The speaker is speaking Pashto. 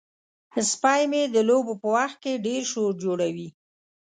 سپی مې د لوبو په وخت کې ډیر شور جوړوي.